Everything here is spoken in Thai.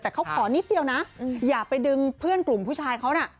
แต่เขาขอนิดเดียวนะอย่าไปดึงเพื่อนกลุ่มผู้ชายเขาน่ะ